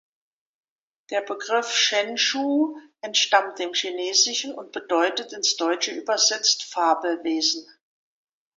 Der Begriff "Shenshou" entstammt dem Chinesischen und bedeutet ins Deutsche übersetzt „Fabelwesen“.